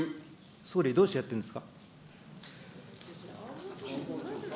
総理、どうしてやってるんですか。